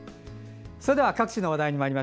それでは各地の話題。